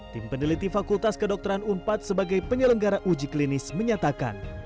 tim peneliti fakultas kedokteran unpad sebagai penyelenggara uji klinis menyatakan